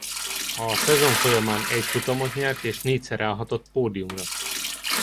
A szezon folyamán egy futamot nyert és négyszer állhatott pódiumra.